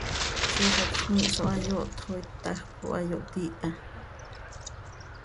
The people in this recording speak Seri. Ziix hacx cmiih zo hayooht xo ítajc coi oo hayooht iiha.